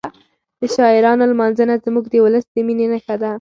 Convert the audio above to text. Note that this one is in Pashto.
د شاعرانو لمانځنه زموږ د ولس د مینې نښه ده.